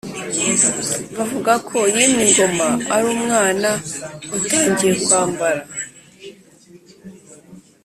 bavuga ko yimye ingoma ari umwana utangiye kwambara